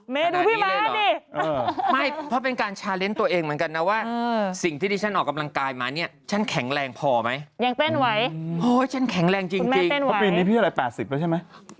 ไม่ด้วยก้อนคุณหัวเราะอะไรนะครับก็คือพีชเขียวไม่ใช่ไหม